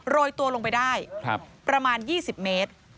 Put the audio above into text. โรยตัวลงไปได้ประมาณ๒๐เมตร